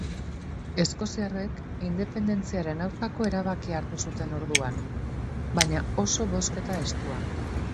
Eskoziarrek independentziaren aurkako erabakia hartu zuten orduan, baina oso bozketa estuan.